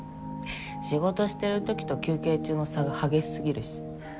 仕事してる時と休憩中の差が激しすぎるし。